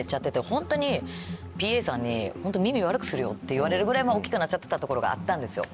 ホントにＰＡさんに。って言われるぐらい大っきくなっちゃってたところがあったんですよ。